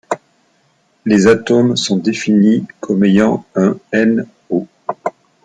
Les atomes sont définis comme ayant un n.o.